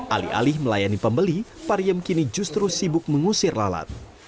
alih alih melayani pembeli pariem kini justru sibuk mengusir lalat